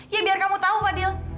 ya biar kamu tahu fadil